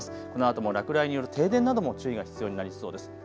このあとも落雷による停電なども注意が必要になりそうです。